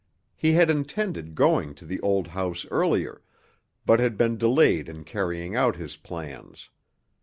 He had intended going to the old house earlier, but had been delayed in carrying out his plans.